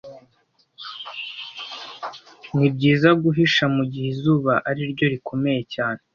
Nibyiza guhisha mugihe izuba ariryo rikomeye cyane